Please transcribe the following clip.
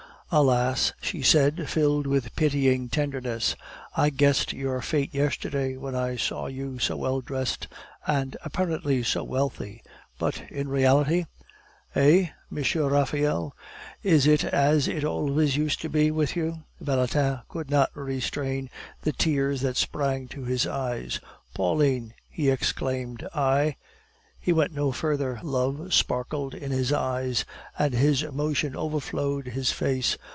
"Alas!" she said, filled with pitying tenderness. "I guessed your fate yesterday when I saw you so well dressed, and apparently so wealthy; but in reality? Eh, M. Raphael, is it as it always used to be with you?" Valentin could not restrain the tears that sprang to his eyes. "Pauline," he exclaimed, "I " He went no further, love sparkled in his eyes, and his emotion overflowed his face.